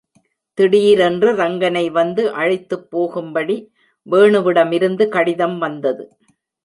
திடீரென்று ரங்கனை வந்து அழைத்துப் போகும்படி வேணுவிடமிருந்து கடிதம் வந்தது.